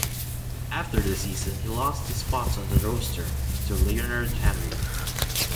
After the season, he lost his spot on the roster to Leonard Henry.